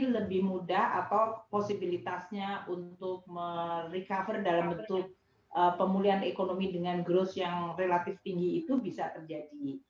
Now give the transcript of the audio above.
lebih mudah atau posibilitasnya untuk recover dalam bentuk pemulihan ekonomi dengan growth yang relatif tinggi itu bisa terjadi